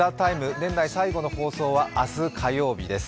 年内最後の放送は明日火曜日です。